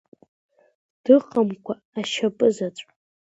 Дыҟамкәа, ашьапызаҵә!